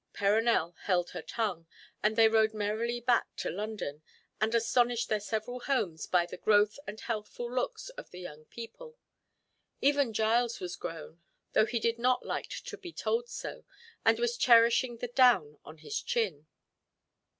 Perronel held her tongue, and they rode merrily back to London, and astonished their several homes by the growth and healthful looks of the young people. Even Giles was grown, though he did not like to be told so, and was cherishing the down on his chin.